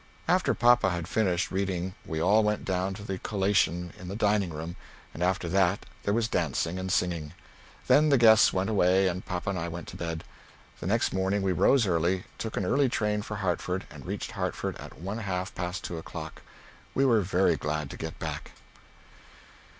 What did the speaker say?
After papa had finished reading we all went down to the collation in the dining room and after that there was dancing and singing. Then the guests went away and papa and I went to bed. The next morning we rose early, took an early train for Hartford and reached Hartford at 1/2 past 2 o'clock. We were very glad to get back.